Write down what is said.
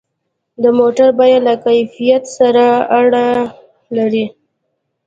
د موټر بیه له کیفیت سره اړه لري.